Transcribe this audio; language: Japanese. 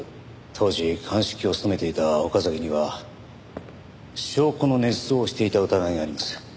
当時鑑識を務めていた岡崎には証拠の捏造をしていた疑いがあります。